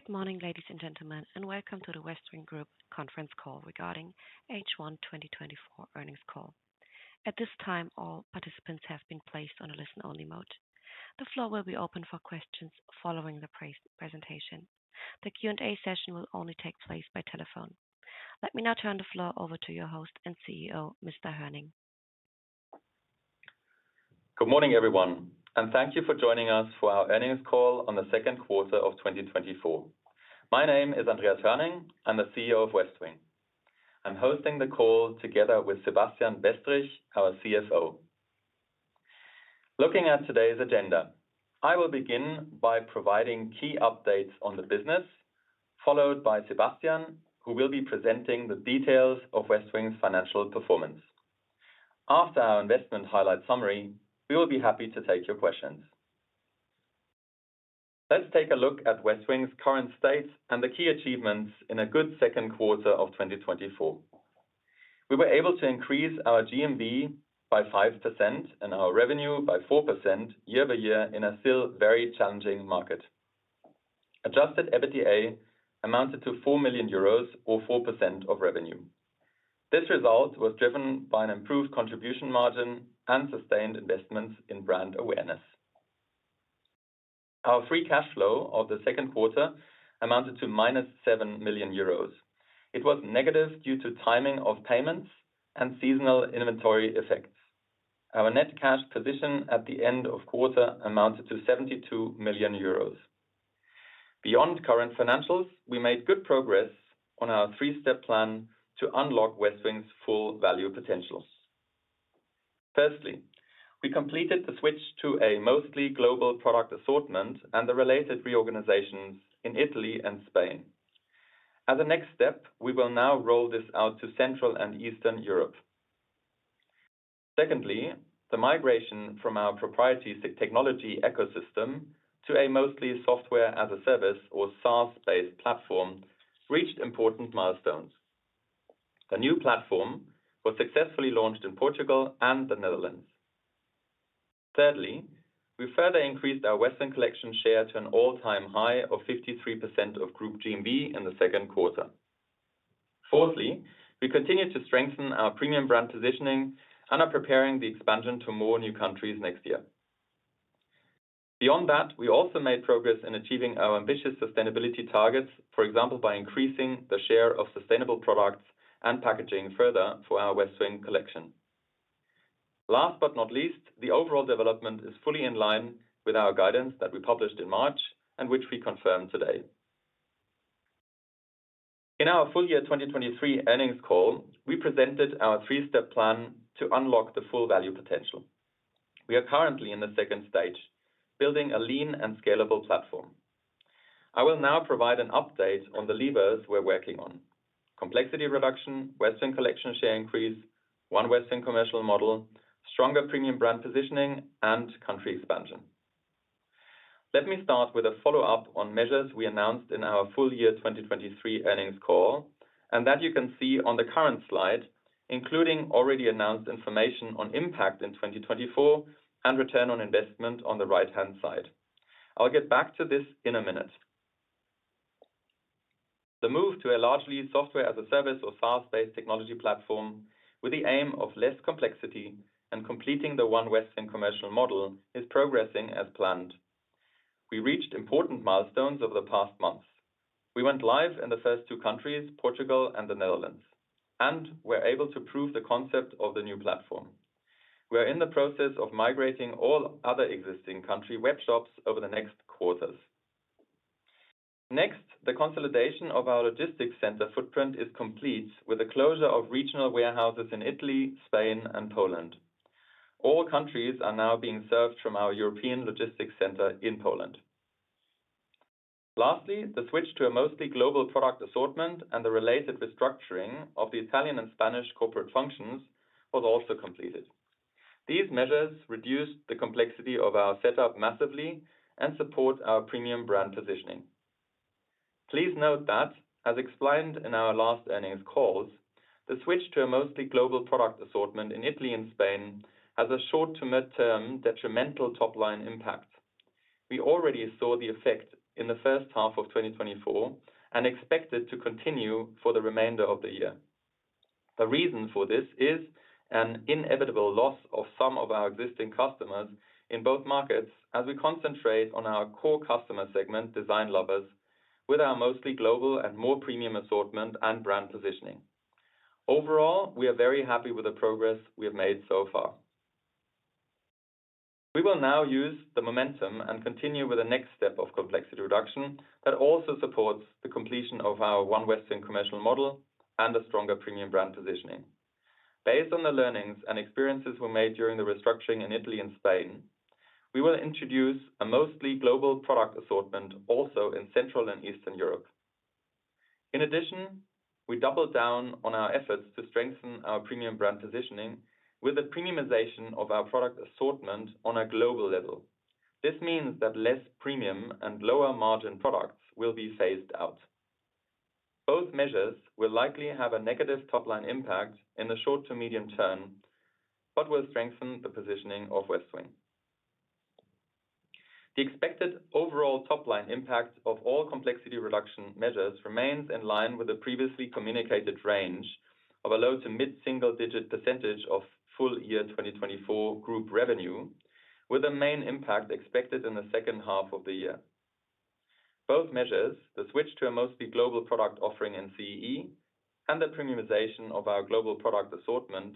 Good morning, ladies and gentlemen, and welcome to the Westwing Group conference call regarding H1 2024 earnings call. At this time, all participants have been placed on a listen-only mode. The floor will be open for questions following the presentation. The Q&A session will only take place by telephone. Let me now turn the floor over to your host and CEO, Mr. Hoerning. Good morning, everyone, and thank you for joining us for our earnings call on the second quarter of 2024. My name is Andreas Hoerning. I'm the CEO of Westwing. I'm hosting the call together with Sebastian Westrich, our CFO. Looking at today's agenda, I will begin by providing key updates on the business, followed by Sebastian, who will be presenting the details of Westwing's financial performance. After our investment highlight summary, we will be happy to take your questions. Let's take a look at Westwing's current state and the key achievements in a good second quarter of 2024. We were able to increase our GMV by 5% and our revenue by 4% year-over-year in a still very challenging market. Adjusted EBITDA amounted to 4 million euros or 4% of revenue. This result was driven by an improved contribution margin and sustained investments in brand awareness. Our free cash flow of the second quarter amounted to -7 million euros. It was negative due to timing of payments and seasonal inventory effects. Our net cash position at the end of quarter amounted to 72 million euros. Beyond current financials, we made good progress on our three-step plan to unlock Westwing's full value potentials. Firstly, we completed the switch to a mostly global product assortment and the related reorganizations in Italy and Spain. As a next step, we will now roll this out to Central and Eastern Europe. Secondly, the migration from our proprietary technology ecosystem to a mostly software-as-a-service or SaaS-based platform reached important milestones. The new platform was successfully launched in Portugal and the Netherlands. Thirdly, we further increased our Westwing Collection share to an all-time high of 53% of Group GMV in the second quarter. Fourthly, we continued to strengthen our premium brand positioning and are preparing the expansion to more new countries next year. Beyond that, we also made progress in achieving our ambitious sustainability targets, for example, by increasing the share of sustainable products and packaging further for our Westwing Collection. Last but not least, the overall development is fully in line with our guidance that we published in March and which we confirm today. In our full year 2023 earnings call, we presented our three-step plan to unlock the full value potential. We are currently in the second stage, building a lean and scalable platform. I will now provide an update on the levers we're working on: complexity reduction, Westwing Collection share increase, One Westwing commercial model, stronger premium brand positioning, and country expansion. Let me start with a follow-up on measures we announced in our full year 2023 earnings call, and that you can see on the current slide, including already announced information on impact in 2024 and return on investment on the right-hand side. I'll get back to this in a minute. The move to a largely software-as-a-service or SaaS-based technology platform, with the aim of less complexity and completing the One Westwing commercial model, is progressing as planned. We reached important milestones over the past months. We went live in the first two countries, Portugal and the Netherlands, and we're able to prove the concept of the new platform. We are in the process of migrating all other existing country web shops over the next quarters. Next, the consolidation of our logistics center footprint is complete, with the closure of regional warehouses in Italy, Spain and Poland. All countries are now being served from our European logistics center in Poland. Lastly, the switch to a mostly global product assortment and the related restructuring of the Italian and Spanish corporate functions was also completed. These measures reduced the complexity of our setup massively and support our premium brand positioning. Please note that, as explained in our last earnings calls, the switch to a mostly global product assortment in Italy and Spain has a short to mid-term detrimental top-line impact. We already saw the effect in the first half of 2024 and expect it to continue for the remainder of the year. The reason for this is an inevitable loss of some of our existing customers in both markets as we concentrate on our core customer segment, design lovers, with our mostly global and more premium assortment and brand positioning. Overall, we are very happy with the progress we have made so far. We will now use the momentum and continue with the next step of complexity reduction that also supports the completion of our One Westwing commercial model and a stronger premium brand positioning. Based on the learnings and experiences we made during the restructuring in Italy and Spain, we will introduce a mostly global product assortment also in Central and Eastern Europe. In addition, we double down on our efforts to strengthen our premium brand positioning with the premiumization of our product assortment on a global level. This means that less premium and lower-margin products will be phased out.... Both measures will likely have a negative top-line impact in the short to medium term, but will strengthen the positioning of Westwing. The expected overall top-line impact of all complexity reduction measures remains in line with the previously communicated range of a low to mid-single digit percentage of full-year 2024 group revenue, with the main impact expected in the second half of the year. Both measures, the switch to a mostly global product offering in CEE and the premiumization of our global product assortment,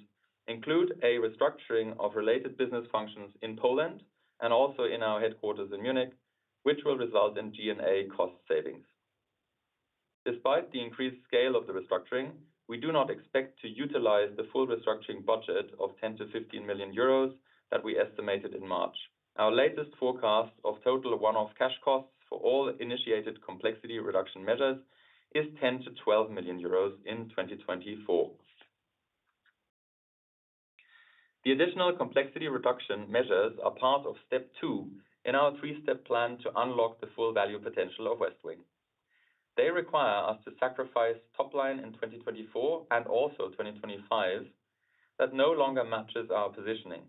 include a restructuring of related business functions in Poland and also in our headquarters in Munich, which will result in G&A cost savings. Despite the increased scale of the restructuring, we do not expect to utilize the full restructuring budget of 10-15 million euros that we estimated in March. Our latest forecast of total one-off cash costs for all initiated complexity reduction measures is 10-12 million euros in 2024. The additional complexity reduction measures are part of step 2 in our 3-step plan to unlock the full value potential of Westwing. They require us to sacrifice top line in 2024, and also 2025, that no longer matches our positioning,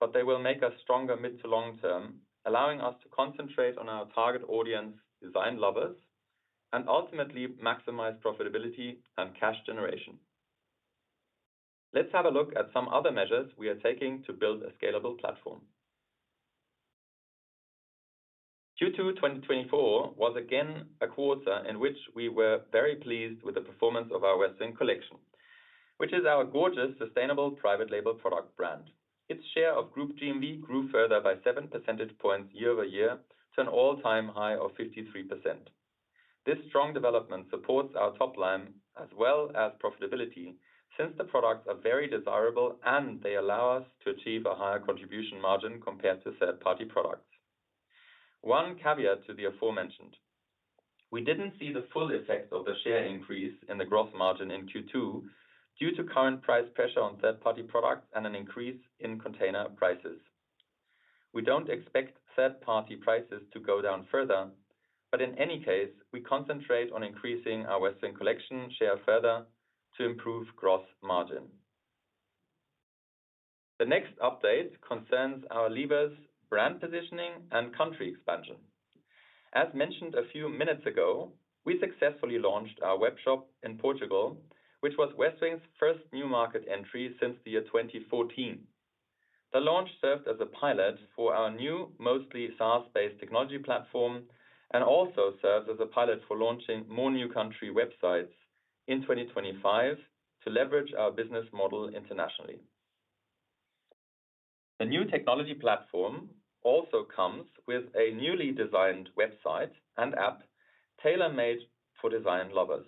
but they will make us stronger mid- to long-term, allowing us to concentrate on our target audience, design lovers, and ultimately maximize profitability and cash generation. Let's have a look at some other measures we are taking to build a scalable platform. Q2 2024 was again a quarter in which we were very pleased with the performance of our Westwing Collection, which is our gorgeous, sustainable, private label product brand. Its share of group GMV grew further by 7 percentage points year-over-year, to an all-time high of 53%. This strong development supports our top line as well as profitability, since the products are very desirable and they allow us to achieve a higher contribution margin compared to third-party products. One caveat to the aforementioned, we didn't see the full effect of the share increase in the gross margin in Q2, due to current price pressure on third-party products and an increase in container prices. We don't expect third-party prices to go down further, but in any case, we concentrate on increasing our Westwing Collection share further to improve gross margin. The next update concerns our levers, brand positioning and country expansion. As mentioned a few minutes ago, we successfully launched our webshop in Portugal, which was Westwing's first new market entry since the year 2014. The launch served as a pilot for our new, mostly SaaS-based technology platform, and also serves as a pilot for launching more new country websites in 2025 to leverage our business model internationally. The new technology platform also comes with a newly designed website and app, tailor-made for design lovers.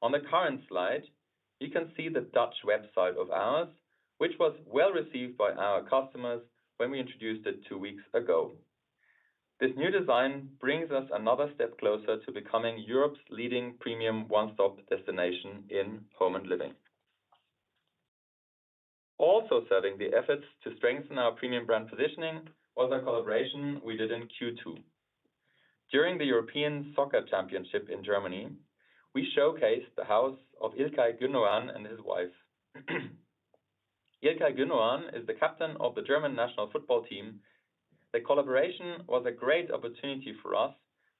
On the current slide, you can see the Dutch website of ours, which was well received by our customers when we introduced it two weeks ago. This new design brings us another step closer to becoming Europe's leading premium one-stop destination in home and living. Also serving the efforts to strengthen our premium brand positioning was our collaboration we did in Q2. During the European Soccer Championship in Germany, we showcased the house of Ilkay Gündoğan and his wife. Ilkay Gündoğan is the captain of the German national football team. The collaboration was a great opportunity for us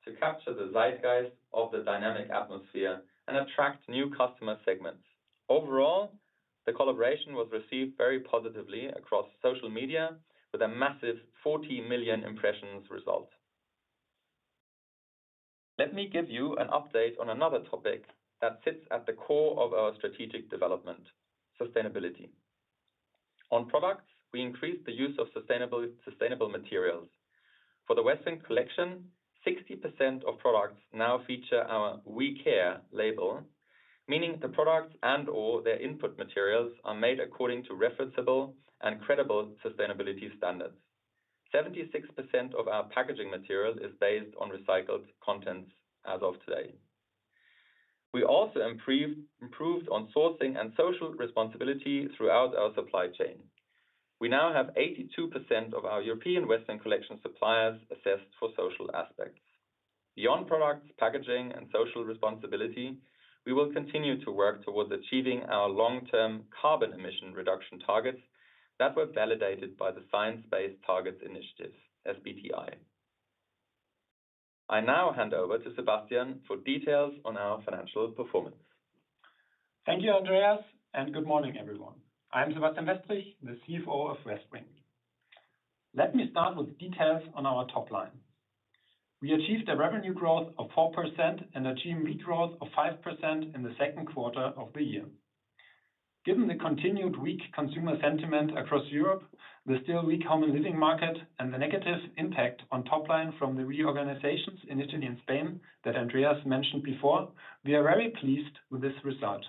to capture the zeitgeist of the dynamic atmosphere and attract new customer segments. Overall, the collaboration was received very positively across social media, with a massive 40 million impressions result. Let me give you an update on another topic that sits at the core of our strategic development: sustainability. On products, we increased the use of sustainable materials. For the Westwing Collection, 60% of products now feature our We Care label, meaning the products and/or their input materials are made according to referenceable and credible sustainability standards. 76% of our packaging material is based on recycled contents as of today. We also improved on sourcing and social responsibility throughout our supply chain. We now have 82% of our European Westwing Collection suppliers assessed for social aspects. Beyond products, packaging, and social responsibility, we will continue to work towards achieving our long-term carbon emission reduction targets that were validated by the Science Based Targets Initiative, SBTI. I now hand over to Sebastian for details on our financial performance. Thank you, Andreas, and good morning, everyone. I'm Sebastian Westrich, the CFO of Westwing. Let me start with details on our top line. We achieved a revenue growth of 4% and a GMV growth of 5% in the second quarter of the year. Given the continued weak consumer sentiment across Europe, the still weak home and living market, and the negative impact on top line from the reorganizations in Italy and Spain that Andreas mentioned before, we are very pleased with this result.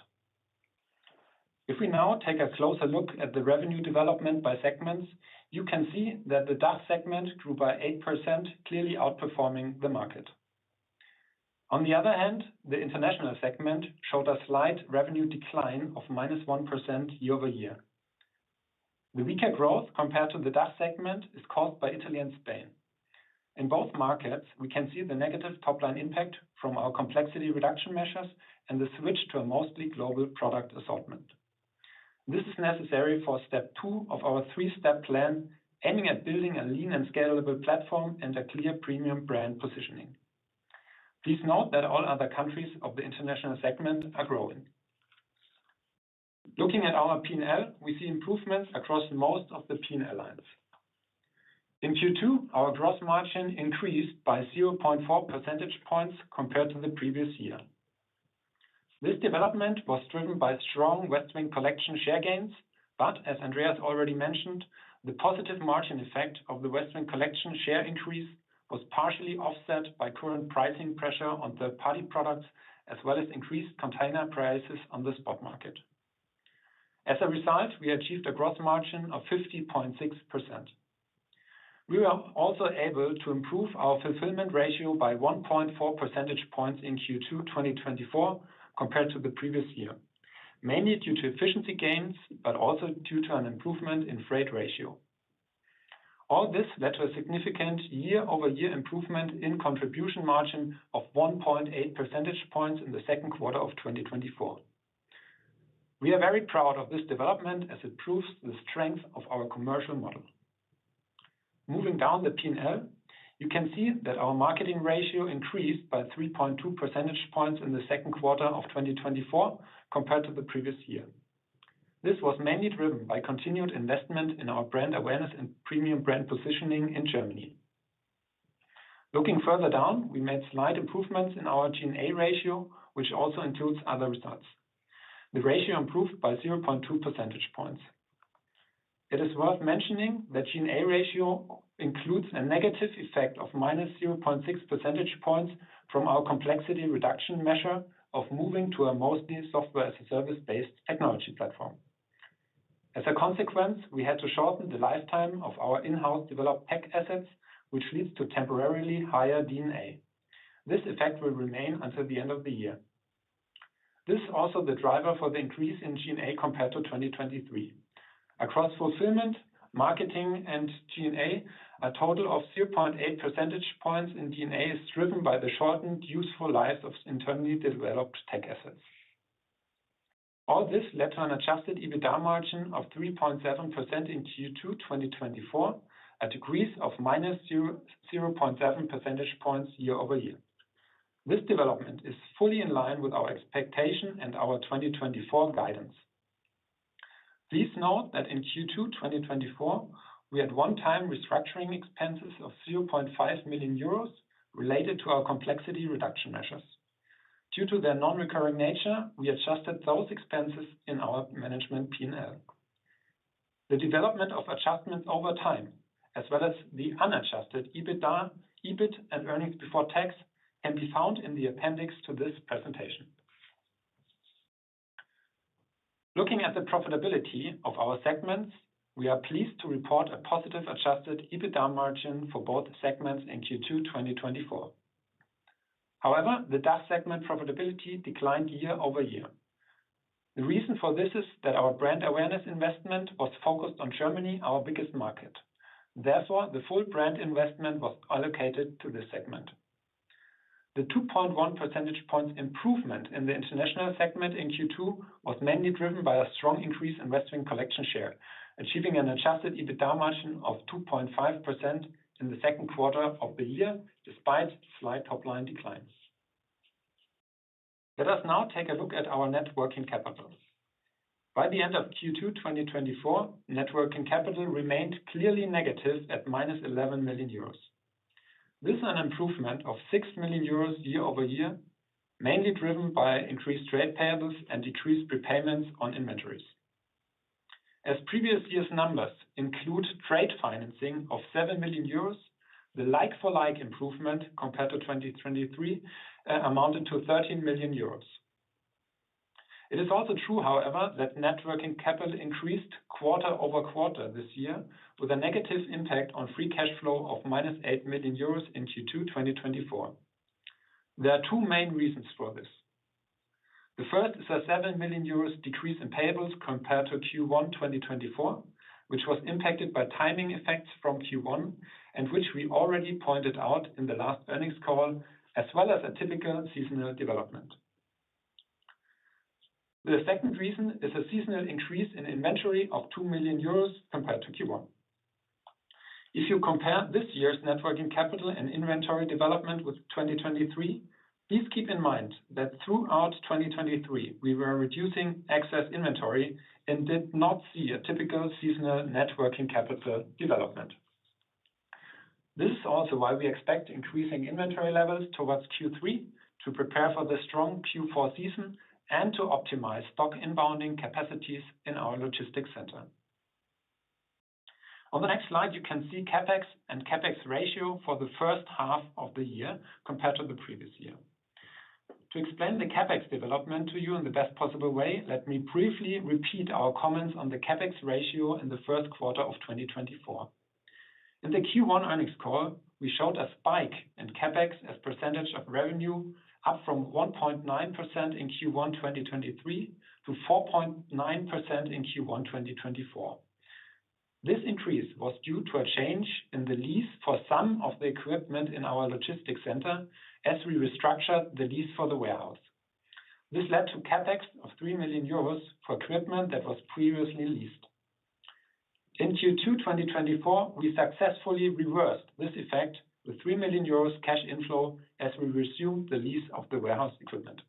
If we now take a closer look at the revenue development by segments, you can see that the DACH segment grew by 8%, clearly outperforming the market. On the other hand, the international segment showed a slight revenue decline of -1% year-over-year.... The weaker growth compared to the DACH segment is caused by Italy and Spain. In both markets, we can see the negative top-line impact from our complexity reduction measures and the switch to a mostly global product assortment. This is necessary for step two of our three-step plan, aiming at building a lean and scalable platform and a clear premium brand positioning. Please note that all other countries of the international segment are growing. Looking at our P&L, we see improvements across most of the P&L lines. In Q2, our gross margin increased by 0.4 percentage points compared to the previous year. This development was driven by strong Westwing Collection share gains, but as Andreas already mentioned, the positive margin effect of the Westwing Collection share increase was partially offset by current pricing pressure on third-party products, as well as increased container prices on the spot market. As a result, we achieved a gross margin of 50.6%. We were also able to improve our fulfillment ratio by 1.4 percentage points in Q2 2024, compared to the previous year, mainly due to efficiency gains, but also due to an improvement in freight ratio. All this led to a significant year-over-year improvement in contribution margin of 1.8 percentage points in the second quarter of 2024. We are very proud of this development as it proves the strength of our commercial model. Moving down the P&L, you can see that our marketing ratio increased by 3.2 percentage points in the second quarter of 2024 compared to the previous year. This was mainly driven by continued investment in our brand awareness and premium brand positioning in Germany. Looking further down, we made slight improvements in our G&A ratio, which also includes other results. The ratio improved by 0.2 percentage points. It is worth mentioning that G&A ratio includes a negative effect of -0.6 percentage points from our complexity reduction measure of moving to a mostly software-as-a-service-based technology platform. As a consequence, we had to shorten the lifetime of our in-house developed tech assets, which leads to temporarily higher G&A. This effect will remain until the end of the year. This is also the driver for the increase in G&A compared to 2023. Across fulfillment, marketing, and G&A, a total of 0.8 percentage points in G&A is driven by the shortened useful life of internally developed tech assets. All this led to an adjusted EBITDA margin of 3.7% in Q2 2024, a decrease of -0.07 percentage points year-over-year. This development is fully in line with our expectation and our 2024 guidance. Please note that in Q2 2024, we had one-time restructuring expenses of 0.5 million euros related to our complexity reduction measures. Due to their non-recurring nature, we adjusted those expenses in our management P&L. The development of adjustments over time, as well as the unadjusted EBITDA, EBIT, and earnings before tax, can be found in the appendix to this presentation. Looking at the profitability of our segments, we are pleased to report a positive adjusted EBITDA margin for both segments in Q2 2024. However, the DACH segment profitability declined year-over-year. The reason for this is that our brand awareness investment was focused on Germany, our biggest market. Therefore, the full brand investment was allocated to this segment. The 2.1 percentage point improvement in the international segment in Q2 was mainly driven by a strong increase in Westwing Collection share, achieving an adjusted EBITDA margin of 2.5% in the second quarter of the year, despite slight top-line declines. Let us now take a look at our net working capital. By the end of Q2 2024, net working capital remained clearly negative at -11 million euros. This is an improvement of 6 million euros year-over-year, mainly driven by increased trade payables and decreased prepayments on inventories. As previous year's numbers include trade financing of 7 million euros, the like-for-like improvement compared to 2023 amounted to 13 million euros. It is also true, however, that net working capital increased quarter-over-quarter this year, with a negative impact on free cash flow of -8 million euros in Q2 2024. There are two main reasons for this. The first is a 7 million euros decrease in payables compared to Q1 2024, which was impacted by timing effects from Q1, and which we already pointed out in the last earnings call, as well as a typical seasonal development. The second reason is a seasonal increase in inventory of 2 million euros compared to Q1. If you compare this year's net working capital and inventory development with 2023, please keep in mind that throughout 2023, we were reducing excess inventory and did not see a typical seasonal net working capital development. This is also why we expect increasing inventory levels towards Q3 to prepare for the strong Q4 season and to optimize stock inbounding capacities in our logistics center. On the next slide, you can see CapEx and CapEx ratio for the first half of the year compared to the previous year. To explain the CapEx development to you in the best possible way, let me briefly repeat our comments on the CapEx ratio in the first quarter of 2024. In the Q1 earnings call, we showed a spike in CapEx as percentage of revenue, up from 1.9% in Q1 2023 to 4.9% in Q1 2024. This increase was due to a change in the lease for some of the equipment in our logistics center as we restructured the lease for the warehouse. This led to CapEx of 3 million euros for equipment that was previously leased. In Q2 2024, we successfully reversed this effect with 3 million euros cash inflow, as we resumed the lease of the warehouse equipment.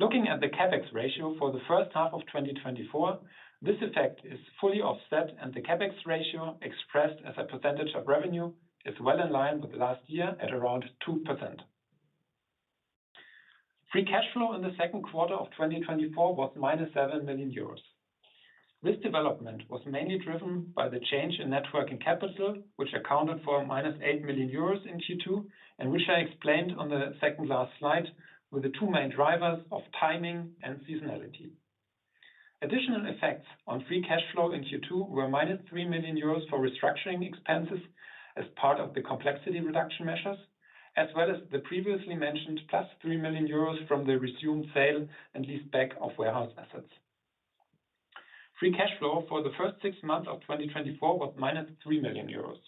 Looking at the CapEx ratio for the first half of 2024, this effect is fully offset, and the CapEx ratio, expressed as a percentage of revenue, is well in line with last year at around 2%. Free cash flow in the second quarter of 2024 was -7 million euros. This development was mainly driven by the change in net working capital, which accounted for -8 million euros in Q2, and which I explained on the second last slide with the two main drivers of timing and seasonality. Additional effects on free cash flow in Q2 were -3 million euros for restructuring expenses as part of the complexity reduction measures, as well as the previously mentioned +3 million euros from the resumed sale and lease back of warehouse assets. Free cash flow for the first six months of 2024 was -3 million euros.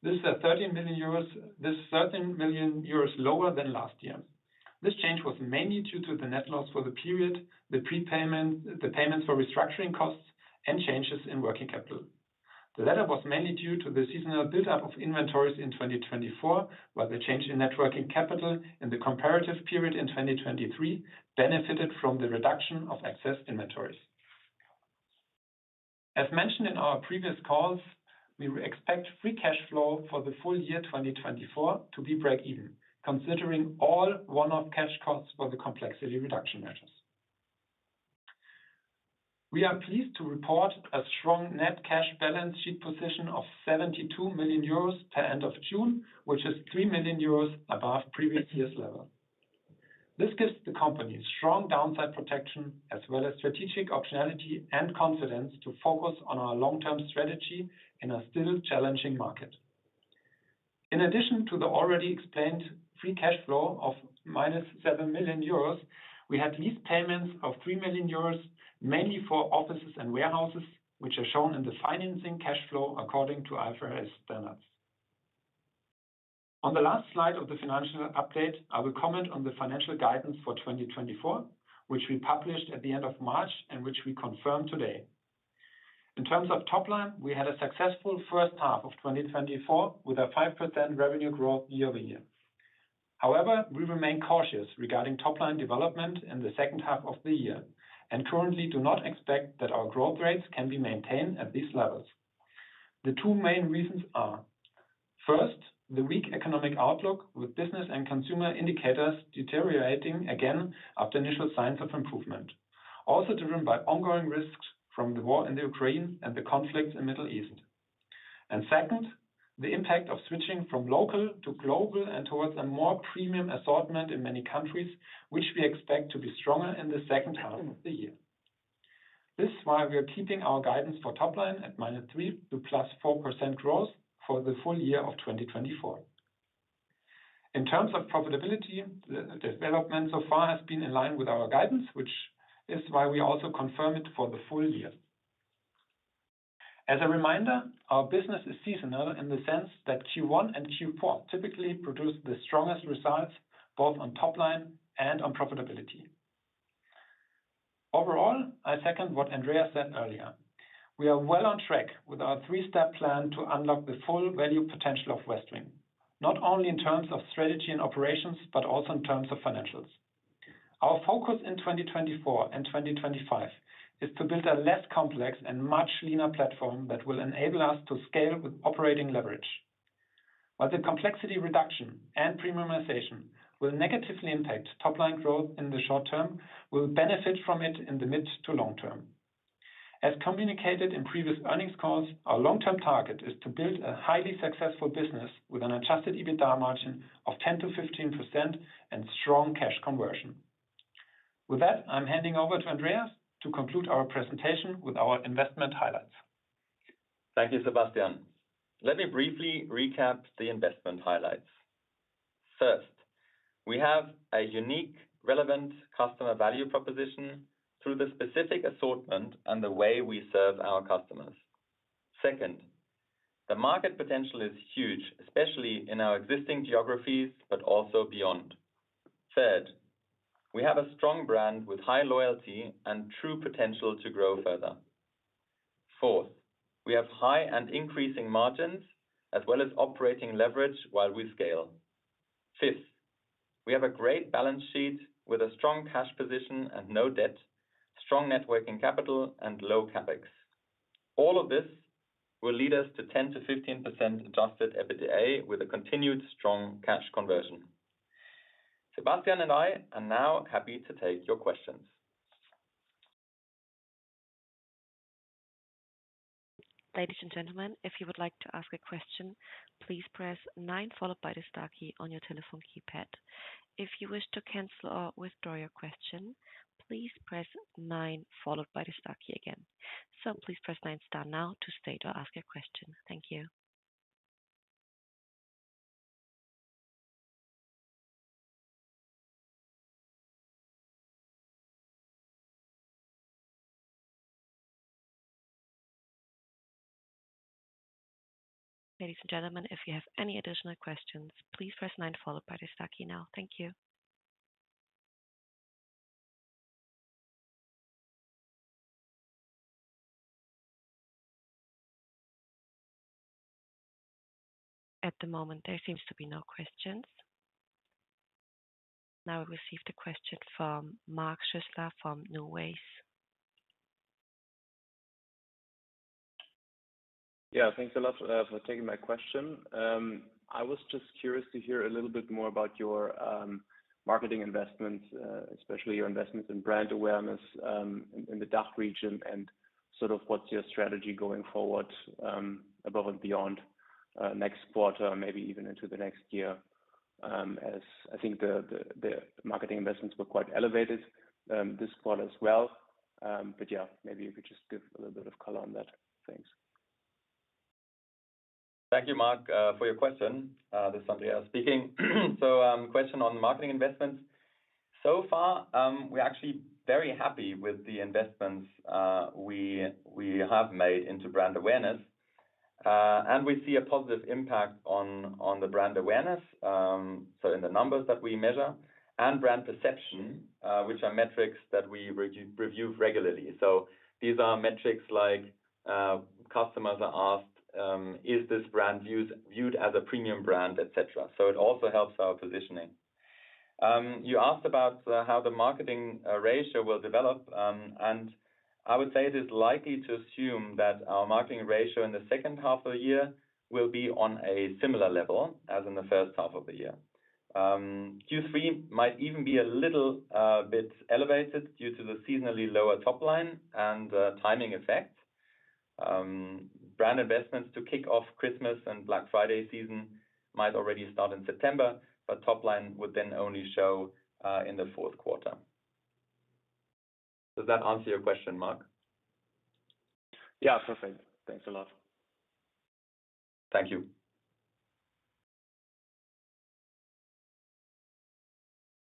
This is 13 million euros. This is 13 million euros lower than last year. This change was mainly due to the net loss for the period, the prepayment, the payments for restructuring costs, and changes in working capital. The latter was mainly due to the seasonal buildup of inventories in 2024, while the change in net working capital in the comparative period in 2023 benefited from the reduction of excess inventories. As mentioned in our previous calls, we expect free cash flow for the full year 2024 to be breakeven, considering all one-off cash costs for the complexity reduction measures. We are pleased to report a strong net cash balance sheet position of 72 million euros per end of June, which is 3 million euros above previous year's level. This gives the company strong downside protection, as well as strategic optionality and confidence to focus on our long-term strategy in a still challenging market. In addition to the already explained free cash flow of -7 million euros, we had lease payments of 3 million euros, mainly for offices and warehouses, which are shown in the financing cash flow according to IFRS standards. On the last slide of the financial update, I will comment on the financial guidance for 2024, which we published at the end of March and which we confirm today. In terms of top line, we had a successful first half of 2024, with a 5% revenue growth year-over-year. However, we remain cautious regarding top line development in the second half of the year, and currently do not expect that our growth rates can be maintained at these levels. The two main reasons are, first, the weak economic outlook, with business and consumer indicators deteriorating again after initial signs of improvement, also driven by ongoing risks from the war in the Ukraine and the conflict in Middle East. And second, the impact of switching from local to global and towards a more premium assortment in many countries, which we expect to be stronger in the second half of the year. This is why we are keeping our guidance for top line at -3% to +4% growth for the full year of 2024. In terms of profitability, the development so far has been in line with our guidance, which is why we also confirm it for the full year. As a reminder, our business is seasonal in the sense that Q1 and Q4 typically produce the strongest results, both on top line and on profitability. Overall, I second what Andreas said earlier: We are well on track with our three-step plan to unlock the full value potential of Westwing, not only in terms of strategy and operations, but also in terms of financials. Our focus in 2024 and 2025 is to build a less complex and much leaner platform that will enable us to scale with operating leverage. While the complexity reduction and premiumization will negatively impact top-line growth in the short term, we'll benefit from it in the mid to long term. As communicated in previous earnings calls, our long-term target is to build a highly successful business with an adjusted EBITDA margin of 10%-15% and strong cash conversion. With that, I'm handing over to Andreas to conclude our presentation with our investment highlights. Thank you, Sebastian. Let me briefly recap the investment highlights. First, we have a unique, relevant customer value proposition through the specific assortment and the way we serve our customers. Second, the market potential is huge, especially in our existing geographies, but also beyond. Third, we have a strong brand with high loyalty and true potential to grow further. Fourth, we have high and increasing margins, as well as operating leverage while we scale. Fifth, we have a great balance sheet with a strong cash position and no debt, strong net working capital, and low CapEx. All of this will lead us to 10%-15% adjusted EBITDA, with a continued strong cash conversion. Sebastian and I are now happy to take your questions. Ladies and gentlemen, if you would like to ask a question, please press nine followed by the star key on your telephone keypad.... If you wish to cancel or withdraw your question, please press nine followed by the star key again. So please press star now to stay to ask your question. Thank you. Ladies and gentlemen, if you have any additional questions, please press nine followed by the star key now. Thank you. At the moment, there seems to be no questions. Now I received a question from Mark Schussler from NuWays. Yeah, thanks a lot for taking my question. I was just curious to hear a little bit more about your marketing investments, especially your investments in brand awareness in the DACH region, and sort of what's your strategy going forward above and beyond next quarter, maybe even into the next year? As I think the marketing investments were quite elevated this quarter as well. But, yeah, maybe you could just give a little bit of color on that. Thanks. Thank you, Mark, for your question. This is Andreas speaking. So, question on marketing investments. So far, we're actually very happy with the investments we have made into brand awareness. And we see a positive impact on the brand awareness, so in the numbers that we measure and brand perception, which are metrics that we review regularly. So these are metrics like, customers are asked, "Is this brand viewed as a premium brand, et cetera?" So it also helps our positioning. You asked about how the marketing ratio will develop, and I would say it is likely to assume that our marketing ratio in the second half of the year will be on a similar level as in the first half of the year. Q3 might even be a little bit elevated due to the seasonally lower top line and the timing effect. Brand investments to kick off Christmas and Black Friday season might already start in September, but top line would then only show in the fourth quarter. Does that answer your question, Mark? Yeah, perfect. Thanks a lot. Thank you.